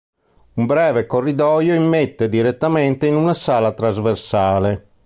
Un breve corridoio immette direttamente in una sala trasversale.